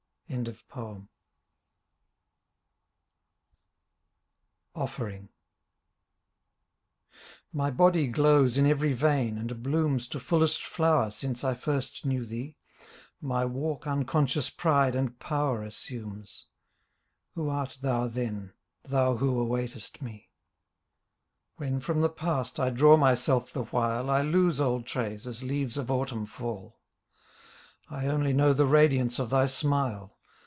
46 OFFERING My body glows in every vein and blooms To fullest flower since I first knew thee. My walk unconscious pride and power assumes; Who art thou then — thou who awaitest me? When from the past I draw myself the while I lose old traits as leaves of autumn fall; I only know the radiance of thy smile.